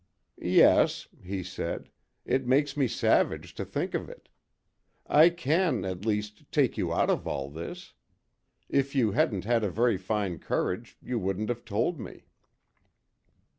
"Yes," he said; "it makes me savage to think of it. I can, at least, take you out of all this. If you hadn't had a very fine courage, you wouldn't have told me."